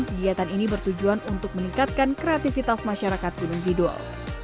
kegiatan ini bertujuan untuk meningkatkan kreativitas masyarakat gunung kidul